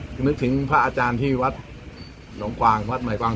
ซึ่งนึกถึงพระอาจารย์ที่ลงหากว่าง